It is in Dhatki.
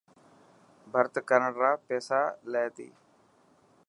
ڀرت ڪرڻ را پيسالي تي.